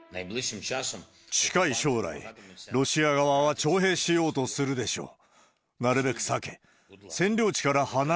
近い将来、ロシア側は徴兵しようとするでしょう。